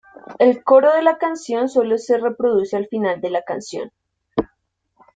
El coro de la canción solo se reproduce al final de la canción.